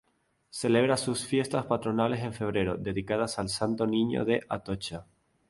Celebra sus fiestas patronales en febrero, dedicadas al Santo Niño de Atocha.